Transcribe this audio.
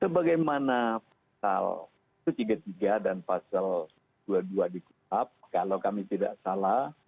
sebagai mana pasal satu ratus tiga puluh tiga dan pasal dua puluh dua dikitab kalau kami tidak salah